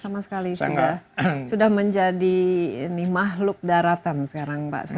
sama sekali sudah menjadi ini mahluk daratan sekarang pak sam